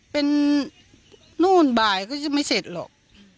เป็นนู่นบ่ายก็จะไม่เสร็จหรอก